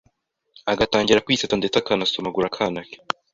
agatangira kwisetsa ndetse akanasomagura akana ke.